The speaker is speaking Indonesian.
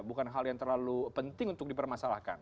bukan hal yang terlalu penting untuk dipermasalahkan